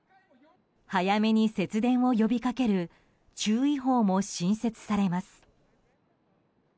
早めに節電を呼びかける注意報も新設されます。